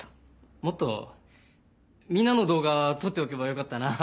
もっとみんなの動画撮っておけばよかったな。